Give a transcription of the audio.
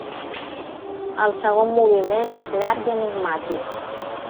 El segon moviment és llarg i enigmàtic.